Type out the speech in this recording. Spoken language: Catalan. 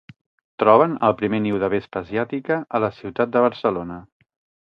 Troben el primer niu de vespa asiàtica a la ciutat de Barcelona.